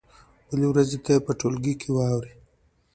بلې ورځې ته یې په ټولګي کې واورئ.